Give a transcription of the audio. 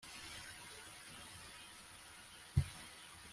bagutera inkunga kandi bagufasha kugukura mu mibereho yawe yishimye